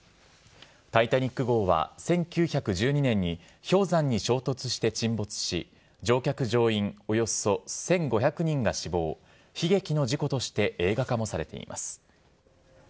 タイタニック号は、１９１２年に、氷山に衝突して沈没し、乗客・乗員およそ１５００人が死亡、悲劇の事故として、映画化もされています。